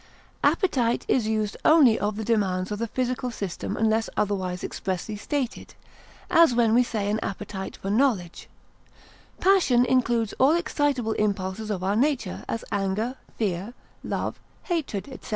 Appetite is used only of the demands of the physical system, unless otherwise expressly stated, as when we say an appetite for knowledge; passion includes all excitable impulses of our nature, as anger, fear, love, hatred, etc.